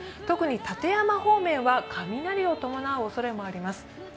特に館山方面は雷を伴うおそれもあります。